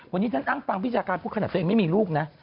วันนี้ฉันนั่งฟังวิจารณ์พูดขนาดตัวเองไม่มีลูกนะ